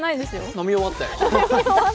飲み終わったう。